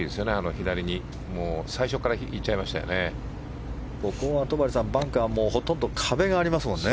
左に最初からいっちゃいましたよね。